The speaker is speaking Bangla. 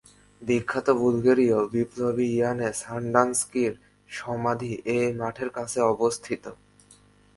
বিখ্যাত বুলগেরীয় বিপ্লবী ইয়ানে সানডানস্কির সমাধি এই মঠের কাছেই অবস্থিত।